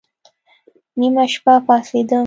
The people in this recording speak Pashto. نيمه شپه پاڅېدم.